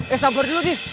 eh sabar dulu dis